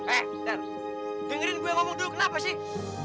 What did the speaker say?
eh ter dengarin gue ngomong dulu kenapa sih